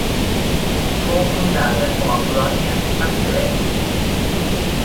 Fou fundada com a colònia per Milet.